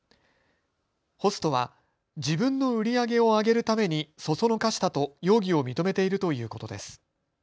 ホストは自分の売り上げを上げるために唆したと容疑を認めているということです。